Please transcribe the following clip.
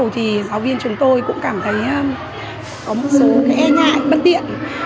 thì giáo viên chúng tôi cũng cảm thấy có một số e ngại bất tiện